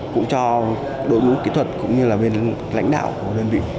cũng cho đội ngũ kỹ thuật cũng như là bên lãnh đạo của đơn vị